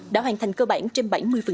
đã hoàn thành cơ bản trên bảy mươi